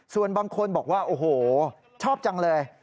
ส่วนบางคนบอกว่าโอ้โหชอบจังเลย